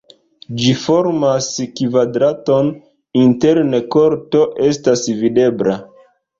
Ĝi formas kvadraton, interne korto estas videbla.